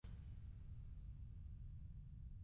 Fosc com una candela cap per avall.